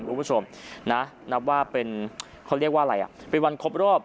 คุณผู้ชมนะนับว่าเป็นเขาเรียกว่าอะไรอ่ะเป็นวันครบรอบ